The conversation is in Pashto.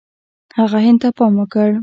هغه هند ته پام وکړ.